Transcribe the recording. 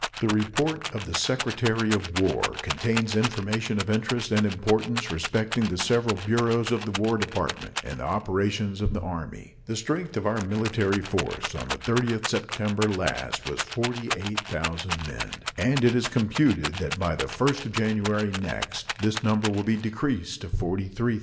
The report of the Secretary of War contains information of interest and importance respecting the several bureaus of the War Department and the operations of the Army. The strength of our military force on the 30th of September last was 48,000 men, and it is computed that by the 1st of January next this number will be decreased to 43,000.